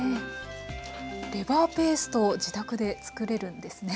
レバーペースト自宅で作れるんですね。